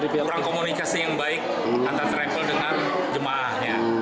kurang komunikasi yang baik antara travel dengan jemaahnya